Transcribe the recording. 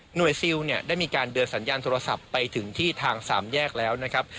ซิลเนี่ยได้มีการเดินสัญญาณโทรศัพท์ไปถึงที่ทางสามแยกแล้วนะครับ